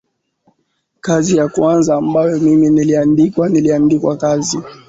kazi ya kwanza ambayo mimi niliandikwa niliandikwa kazi